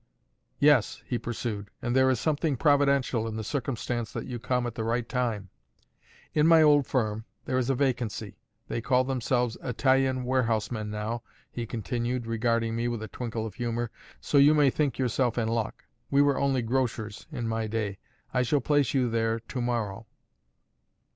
"Yes," he pursued, "and there is something providential in the circumstance that you come at the right time. In my old firm there is a vacancy; they call themselves Italian Warehousemen now," he continued, regarding me with a twinkle of humour; "so you may think yourself in luck: we were only grocers in my day. I shall place you there to morrow."